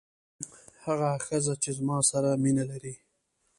هغه ښځه چې زما سره مینه لري.